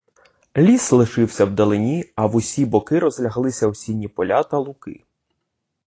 Ліс лишився в далині, а в усі боки розляглися осінні поля та луки.